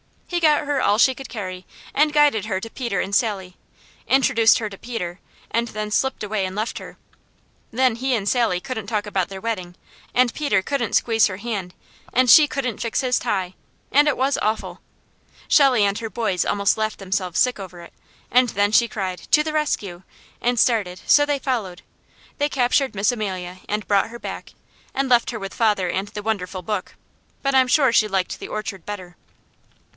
He got her all she could carry and guided her to Peter and Sally, introduced her to Peter, and then slipped away and left her. Then he and Sally couldn't talk about their wedding, and Peter couldn't squeeze her hand, and she couldn't fix his tie, and it was awful. Shelley and her boys almost laughed themselves sick over it, and then she cried, "To the rescue!" and started, so they followed. They captured Miss Amelia and brought her back, and left her with father and the wonderful book, but I'm sure she liked the orchard better.